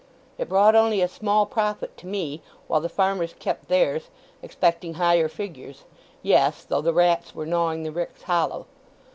It brought only a small profit to me; while the farmers kept theirs, expecting higher figures—yes, though the rats were gnawing the ricks hollow.